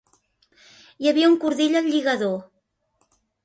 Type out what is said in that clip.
Hi havia un cordill al lligador.